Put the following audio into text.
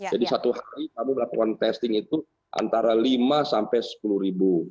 jadi satu hari kami melakukan testing itu antara lima sampai sepuluh ribu